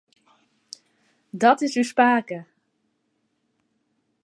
Dat is ús pake.